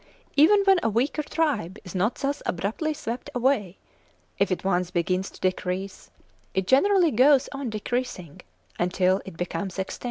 Even when a weaker tribe is not thus abruptly swept away, if it once begins to decrease, it generally goes on decreasing until it becomes extinct.